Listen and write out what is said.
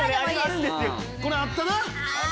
これあったな。